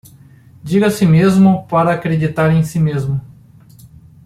Diga a si mesmo para acreditar em si mesmo